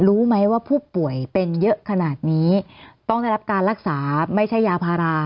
รู้ไหมว่าผู้ป่วยเป็นเยอะขนาดนี้ต้องได้รับการรักษาไม่ใช่ยาพารา